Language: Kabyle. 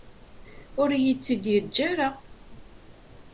Ur iyi-tt-id-yeǧǧa ara.